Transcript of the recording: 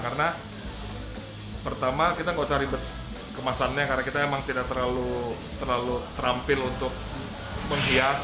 karena pertama kita nggak usah ribet kemasannya karena kita emang tidak terlalu terlalu terampil untuk menghias